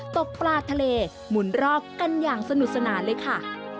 ตกปลาทะเลหมุนรอบกันอย่างสนุกสนานเลยค่ะ